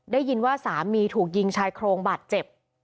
ได้ยินว่าสามีถูกยิงชายโครงบาดเจ็บ